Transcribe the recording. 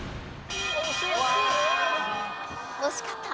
惜しかった。